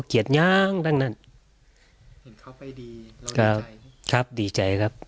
ครับดีใจครับ